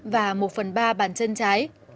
và một phần ba bàn tay trái